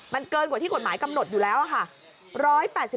มันเกินกว่าที่กฎหมายกำหนดอยู่แล้วค่ะ